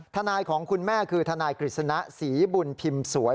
ทนายของคุณแม่คือทนายกฤษณะศรีบุญพิมพ์สวย